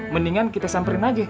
mendingan kita samperin aja